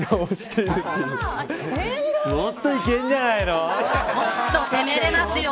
もっといけるんじゃないの。